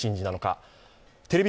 テレビ